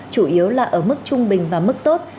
chủ yếu là ở mức trung bình và mức tốt